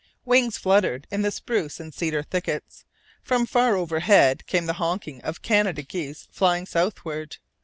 Wings fluttered in the spruce and cedar thickets. From far overhead came the honking of Canada geese flying southward.